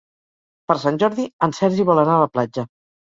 Per Sant Jordi en Sergi vol anar a la platja.